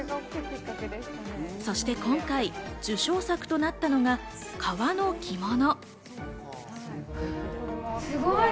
そして今回、受賞作となったのが革の着物。